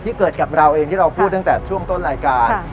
เกิดกับเราเองที่เราพูดตั้งแต่ช่วงต้นรายการ